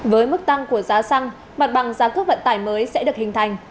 với mức tăng của giá xăng mặt bằng giá cước vận tải mới sẽ được hình thành